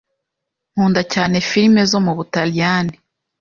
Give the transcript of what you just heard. Nkunda cyane firime zo mubutaliyani.